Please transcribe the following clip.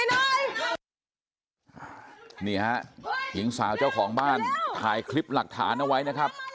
ก็มียีนซาว่าเจ้าของบ้านทายคลิปหลักฐานไว้นะครับ